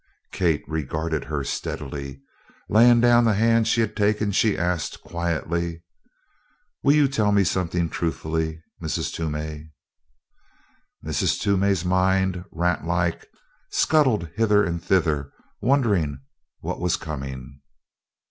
Kate regarded her steadily. Laying down the hand she had taken she asked quietly: "Will you tell me something truthfully, Mrs. Toomey?" Mrs. Toomey's mind, ratlike, scuttled hither and thither, wondering what was coming.